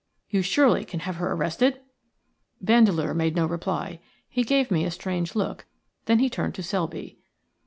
You surely can have her arrested?" Vandeleur made no reply. He gave me a strange look, then he turned to Selby.